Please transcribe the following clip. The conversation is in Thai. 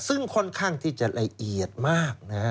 ซึ่งค่อนข้างที่จะละเอียดมากนะฮะ